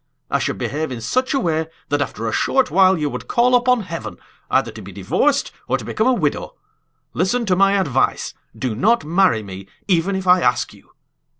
I should behave in such a way that after a short while you would call upon heaven either to be divorced or to become a widow. Listen to my advice: do not marry me, even if I ask you."